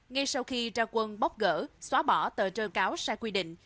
ngay sau khi ra quân bóc gỡ xóa bỏ tờ rơi cáo sai quy định